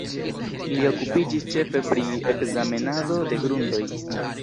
Li okupiĝis ĉefe pri ekzamenado de grundoj.